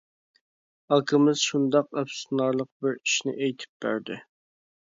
ئاكىمىز شۇنداق ئەپسۇسلىنارلىق بىر ئىشنى ئېيتىپ بەردى.